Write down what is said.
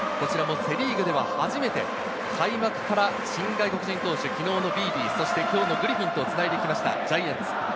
セ・リーグでは初めて開幕から新外国人投手、昨日のビーディ、今日のグリフィンとつないできました、ジャイアンツ。